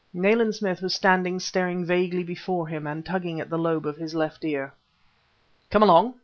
Nayland Smith was standing staring vaguely before him and tugging at the lobe of his left ear. "Come along!"